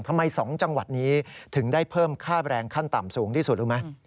ทำไม๒จังหวัดนี้ถึงได้เพิ่มค่าแรงขั้นต่ำสูงที่สุดรู้ไหม